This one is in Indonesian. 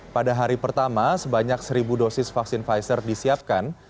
pada hari pertama sebanyak seribu dosis vaksin pfizer disiapkan